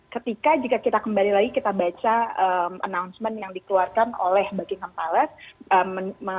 ketika jika kita kembali lagi kita baca announcement yang dikeluarkan oleh buckingham palace